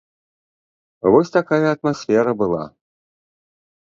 Вось такая атмасфера была.